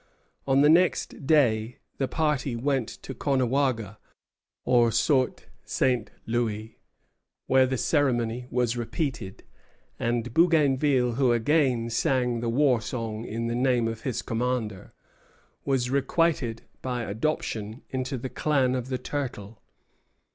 On the next day the party went to Caughnawaga, or Saut St. Louis, where the ceremony was repeated; and Bougainville, who again sang the war song in the name of his commander, was requited by adoption into the clan of the Turtle.